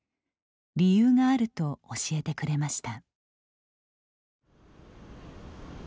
理由があると教えてくれました。